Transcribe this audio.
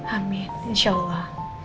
amin insya allah